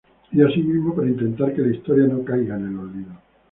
Y asimismo, para intentar que la historia no caiga en el olvido.